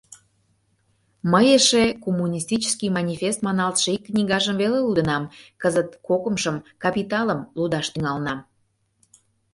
Мый эше «Коммунистический Манифест» маналтше ик книгажым веле лудынам, кызыт кокымшым — «Капиталым» — лудаш тӱҥалынам.